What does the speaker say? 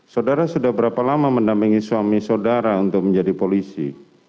saudara sudah berapa lama mendampingi suami saudara untuk menjadi polisi